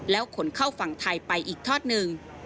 ขนเข้าฝั่งไทยไปอีกทอดหนึ่ง